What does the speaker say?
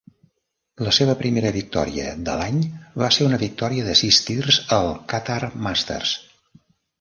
La seva primera victòria de l'any va ser una victòria de sis tirs al Qatar Masters.